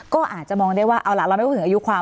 ก็อาจจะมองได้ว่าเอาล่ะเราไม่พูดถึงอายุความ